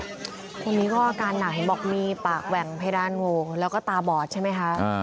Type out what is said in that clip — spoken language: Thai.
อาการหนังให้บอกมีปากแหว่งเพยราณหมู่และก็ตาบอดใช่มั้ยคะ